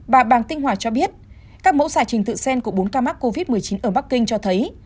bàng tinh hòa cho biết các mẫu giải trình tự sen của bốn ca mắc covid một mươi chín ở bắc kinh cho thấy